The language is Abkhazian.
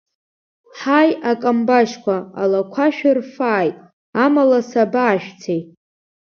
Ҳаи, акамбашьқәа, алақәа шәырфааит, амала сабаашәцеи!